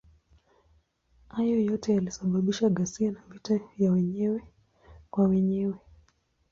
Hayo yote yalisababisha ghasia na vita ya wenyewe kwa wenyewe.